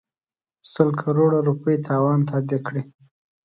سل کروړه روپۍ تاوان تادیه کړي.